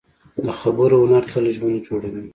د خبرو هنر تل ژوند جوړوي